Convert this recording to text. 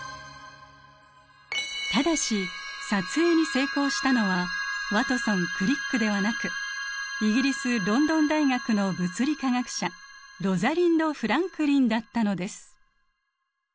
ただし撮影に成功したのはワトソンクリックではなくイギリスロンドン大学の物理化学者ロザリンド・フランクリンだったのです。